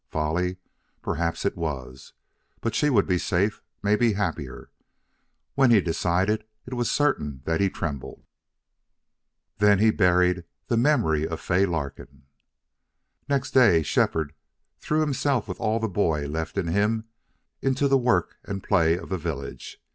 Folly! Perhaps it was, but she would be safe, maybe happier. When he decided, it was certain that he trembled. Then he buried the memory of Fay Larkin. Next day Shefford threw himself with all the boy left in him into the work and play of the village.